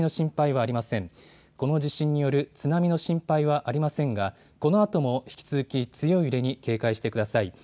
この地震による津波の心配はありませんが、このあとも引き続き強い揺れに警戒してください。